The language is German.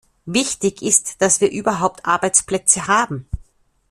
Wichtig ist, dass wir überhaupt Arbeitsplätze haben.